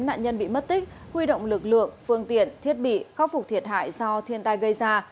nạn nhân bị mất tích huy động lực lượng phương tiện thiết bị khắc phục thiệt hại do thiên tai gây ra